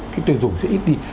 cái tuyên dụng sẽ ít đi